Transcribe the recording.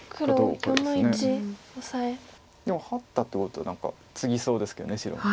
でもハッたということは何かツギそうですけど白も。